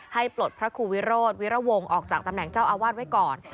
ปลดพระครูวิโรธวิรวงศ์ออกจากตำแหน่งเจ้าอาวาสไว้ก่อน